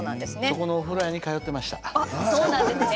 そこのお風呂屋さんに通っていました。